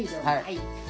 はい。